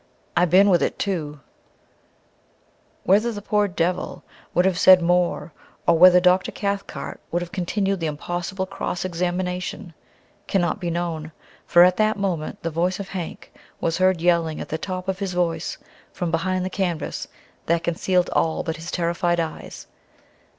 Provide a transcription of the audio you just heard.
"I been with it too " Whether the poor devil would have said more, or whether Dr. Cathcart would have continued the impossible cross examination cannot be known, for at that moment the voice of Hank was heard yelling at the top of his voice from behind the canvas that concealed all but his terrified eyes.